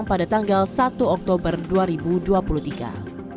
menjadwalkan tim dan sel untuk pulang ke kementerian pertanian